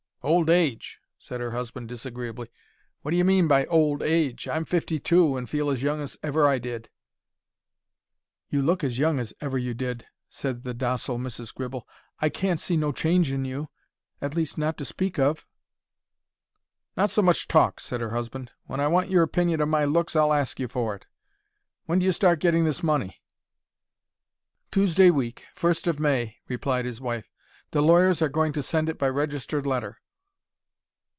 "Old age!" said her husband, disagreeably. "What d'ye mean by old age? I'm fifty two, and feel as young as ever I did." "You look as young as ever you did," said the docile Mrs. Gribble. "I can't see no change in you. At least, not to speak of." "Not so much talk," said her husband. "When I want your opinion of my looks I'll ask you for it. When do you start getting this money?" "Tuesday week; first of May," replied his wife. "The lawyers are going to send it by registered letter."